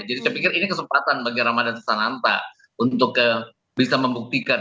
jadi saya pikir ini kesempatan bagi ramadhan seranta untuk bisa membuktikan